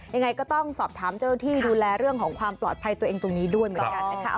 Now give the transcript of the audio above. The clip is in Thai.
ยังไงก็ต้องสอบถามเจ้าที่ดูแลเรื่องของความปลอดภัยตัวเองตรงนี้ด้วยเหมือนกันนะคะ